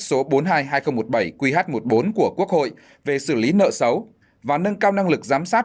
số bốn mươi hai hai nghìn một mươi bảy qh một mươi bốn của quốc hội về xử lý nợ xấu và nâng cao năng lực giám sát